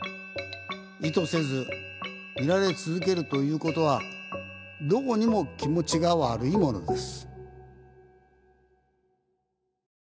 意図せず見られ続けるということはどうにも気持ちが悪いものです。